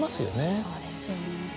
そうですよね。